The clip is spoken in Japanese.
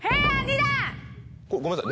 ごめんなさい。